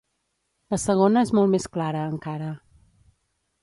La segona és molt més clara, encara.